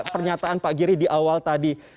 pernyataan pak giri di awal tadi